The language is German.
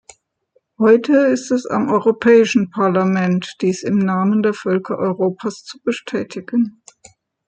Heute ist es am Europäischen Parlament, dies im Namen der Völker Europas zu bestätigen.